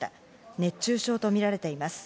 熱中症とみられています。